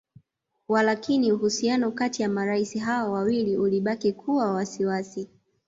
Walakini uhusiano kati ya marais hao wawili ulibaki kuwa wa wasiwasi